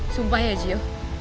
sumpah ya gio